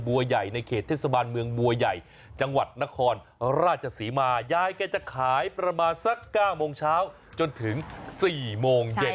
บัวใหญ่ในเขตเทศบาลเมืองบัวใหญ่จังหวัดนครราชศรีมายายแกจะขายประมาณสัก๙โมงเช้าจนถึง๔โมงเย็น